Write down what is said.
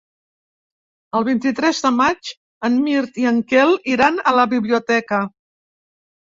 El vint-i-tres de maig en Mirt i en Quel iran a la biblioteca.